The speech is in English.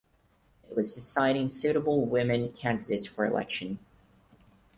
It was deciding suitable women candidates for election.